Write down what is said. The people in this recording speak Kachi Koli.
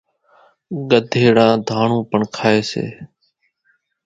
ڳڌيڙان ڌاڻون پڻ کائيَ سي۔